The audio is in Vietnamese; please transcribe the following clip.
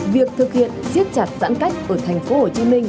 việc thực hiện siết chặt giãn cách ở tp hcm